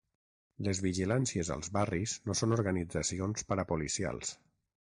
Les vigilàncies als barris no són organitzacions parapolicials.